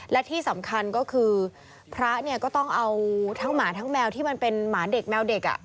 และที่สำคัญก็คือพระเนี่ยก็ต้องเอาทั้งหมาทั้งแมวที่มันเป็นหมาเด็กแมวเด็ก